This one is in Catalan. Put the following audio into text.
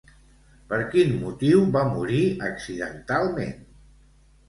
Per quin motiu va morir accidentalment?